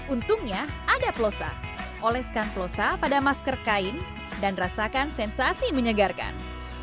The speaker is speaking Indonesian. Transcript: untungnya ada plosa oleskan plosa pada masker kain dan rasakan sensasi menyegarkan